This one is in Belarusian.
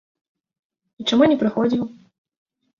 А чаму не прыходзіў?